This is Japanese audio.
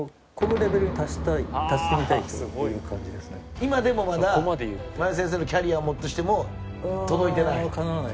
今でもまだ魔夜先生のキャリアをもってしても届いていない？